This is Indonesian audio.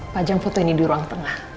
pajang foto ini di ruang tengah